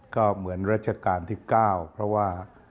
ก็เหมือนรัชกาลที่๙เพราะว่า